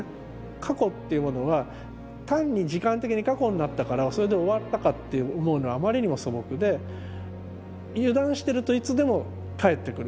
過去っていうものは単に時間的に過去になったからそれで終わったかって思うのはあまりにも素朴で油断してるといつでも帰ってくる。